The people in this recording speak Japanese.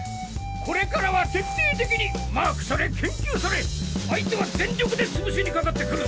これからは徹底的にマークされ研究され相手は全力でつぶしにかかってくるぞ。